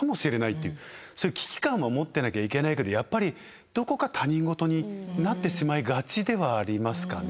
そういう危機感を持ってなきゃいけないけどやっぱりどこか他人事になってしまいがちではありますかね。